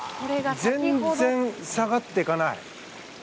全然下がっていかない。